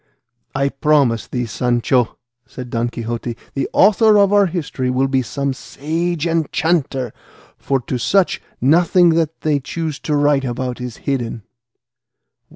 "I promise thee, Sancho," said Don Quixote, "the author of our history will be some sage enchanter; for to such nothing that they choose to write about is hidden."